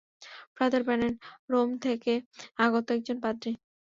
Father Brennan, Rome থেকে আগত একজন পাদ্রী।